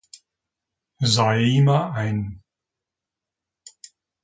Saeima ein.